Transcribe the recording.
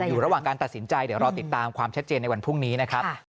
อยู่ระหว่างการตัดสินใจเดี๋ยวรอติดตามความชัดเจนในวันพรุ่งนี้นะครับ